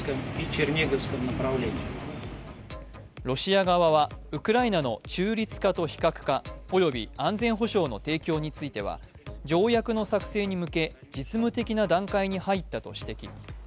ロシア側はウクライナの中立化と非核化および安全保障の提供については条約の作成に向け実務的な段階に入ったと指摘